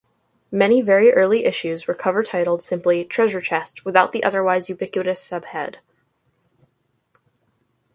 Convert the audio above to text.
Many very early issues were cover-titled simply "Treasure Chest" without the otherwise ubiquitous subhead.